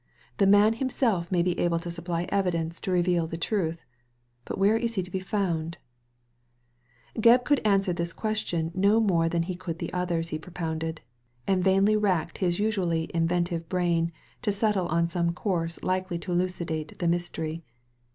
The man himself may be able to supply evidence to reveal the truth ; but where is he to be found ?" Gebb could answer this question no more than he could the others he propounded, and vainly racked his usually inventive brain to settle on some course likely to elucidate the mystery.